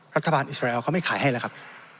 รัฐบาลอิสราเอลเขาไม่ขายให้แล้วครับ